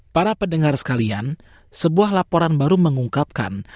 para pendengar sekalian sebuah laporan baru mengungkapkan